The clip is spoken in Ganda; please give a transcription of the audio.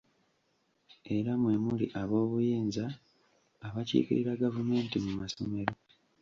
Era mwe muli aboobuyinza abakiikirira gavumenti mu masomero.